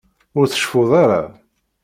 Ur tceffuḍ ara.